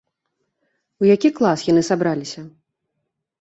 У які клас яны сабраліся?